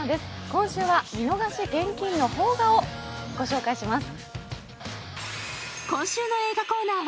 今週は見逃し厳禁の邦画を御紹介します。